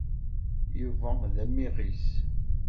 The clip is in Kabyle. Yuba d amiɣis.